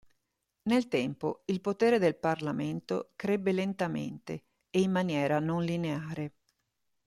Nel tempo il potere del Parlamento crebbe lentamente e in maniera non lineare.